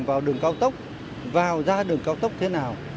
vào đường cao tốc vào ra đường cao tốc thế nào